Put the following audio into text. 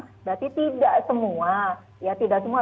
berarti tidak semua ya tidak semua